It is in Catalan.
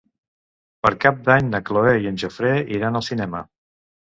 Per Cap d'Any na Cloè i en Jofre iran al cinema.